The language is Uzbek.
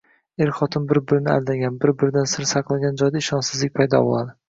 Er- xotin bir-birini aldagan, bir-biridan sir saqlagan joyda ishonchsizlik paydo bo‘ladi.